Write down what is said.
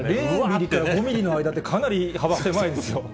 ０ミリと５ミリの間ってかなり幅狭いですよ。